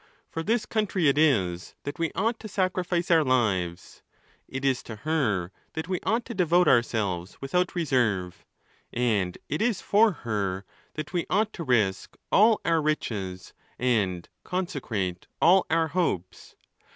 For this country it is that we ought to sacrifice our lives ; it is to her that we ought to devote ourselves without reserve ; and it is for her that we ought to risk all our riches and consecrate all our hopes.